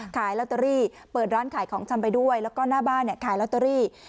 ขายลอตเตอรี่เปิดร้านขายของชำไปด้วยแล้วก็หน้าบ้านเนี่ยขายลอตเตอรี่